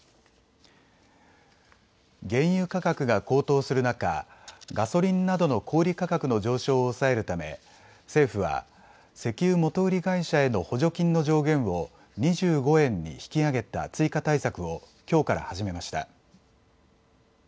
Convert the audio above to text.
原油価格が高騰する中、ガソリンなどの小売価格の上昇を抑えるため政府は、石油元売り会社への補助金の上限を２５円に引き上げた追加対策をきょうから始めました。